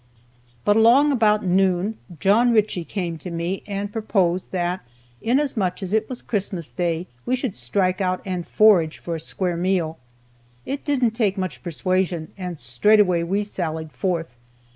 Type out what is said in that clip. But along about noon John Richey came to me and proposed that inasmuch as it was Christmas Day, we should strike out and forage for a square meal. It didn't take much persuasion, and straightway we sallied forth.